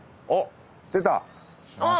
出た！